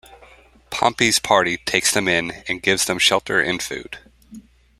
Pompey's party takes them in and gives them shelter and food.